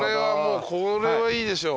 これはいいでしょう。